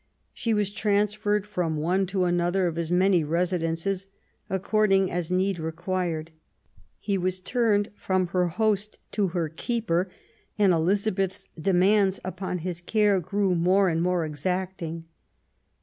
She was transferred from one to another of his many residences according as need required. He was turned from her host to her keeper ; and Eliza beth's demands upon his care grew more and more exacting.